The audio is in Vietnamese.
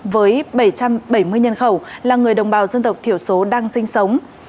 với bảy trăm bảy mươi nhân khẩu là người đồng bào dân tộc thiểu số đang sinh sống